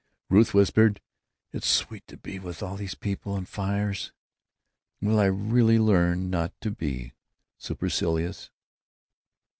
Ruth whispered: "It's sweet to be with all these people and their fires.... Will I really learn not to be supercilious?"